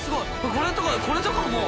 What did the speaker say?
これとかこれとかもう。